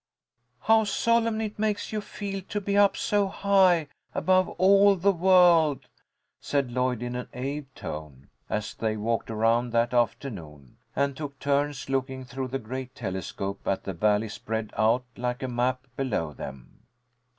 "How solemn it makes you feel to be up so high above all the world!" said Lloyd, in an awed tone, as they walked around that afternoon, and took turns looking through the great telescope, at the valley spread out like a map below them.